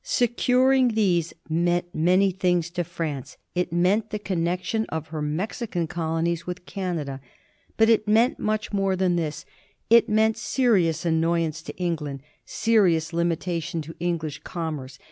Securing these meant many things to France. It meant the connection of her Mexican colonies with Canada, but it meant much more than this ; it meant serious annoy ance to England, serious limitation to English commerce.